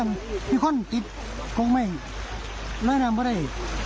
มีคนติดคงไม่แนะนำว่าได้